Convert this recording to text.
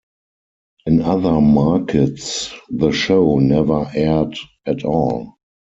In other markets the show never aired at all.